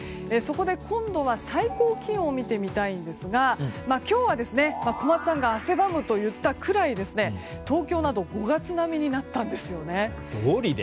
そこで、今度は最高気温を見てみたいんですが今日は小松さんが汗ばむと言ったくらい東京など５月並みになったんですね。